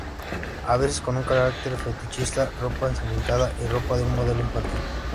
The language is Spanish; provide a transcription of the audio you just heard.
A veces con un carácter fetichista, ropa ensangrentada, y ropa de un modelo infantil.